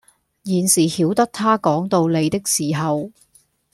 現在曉得他講道理的時候，